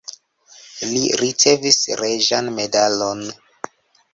Li ricevis reĝan medalon.